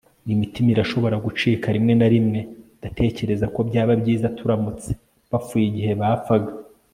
imitima irashobora gucika rimwe na rimwe ndatekereza ko byaba byiza turamutse bapfuye igihe bapfaga